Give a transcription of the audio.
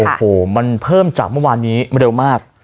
โอ้โหมันเพิ่มจากเมื่อวานนี้เร็วมาก